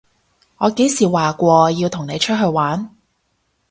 我幾時話過要同你出去玩？